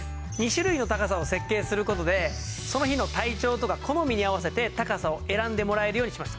２種類の高さを設計する事でその日の体調とか好みに合わせて高さを選んでもらえるようにしました。